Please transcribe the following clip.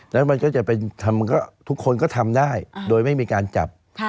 แล้วมันก็จะเป็นทุกคนก็ทำได้โดยไม่มีการจับ